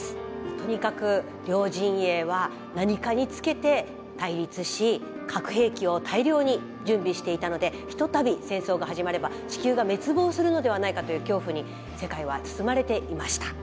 とにかく両陣営は何かにつけて対立し核兵器を大量に準備していたので一たび戦争が始まれば地球が滅亡するのではないかという恐怖に世界は包まれていました。